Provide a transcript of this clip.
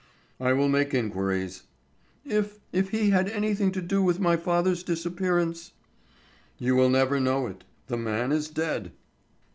"I will make inquiries." "If—if he had anything to do with my father's disappearance——" "You will never know it; the man is dead."